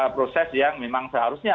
proses yang memang seharusnya